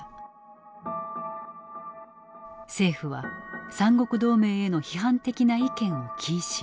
政府は三国同盟への批判的な意見を禁止。